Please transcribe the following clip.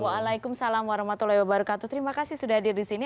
waalaikumsalam warahmatullahi wabarakatuh terima kasih sudah hadir disini